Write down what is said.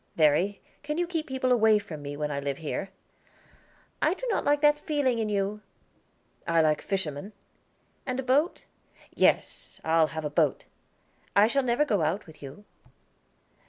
"Verry, can you keep people away from me when I live here?" "I do not like that feeling in you." "I like fishermen." "And a boat?" "Yes, I'll have a boat." "I shall never go out with you."